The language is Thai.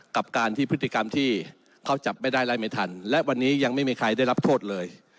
กับการที่พฤติกรรมที่เขาจับไม่ได้ไล่ไม่ทันและวันนี้ยังไม่มีใครได้รับโทษเลย